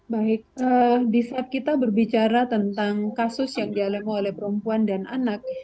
baik di saat kita berbicara tentang kasus yang dialami oleh perempuan dan anak